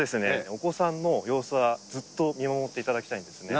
お子さんの様子はずっと見守っていただきたいんですね。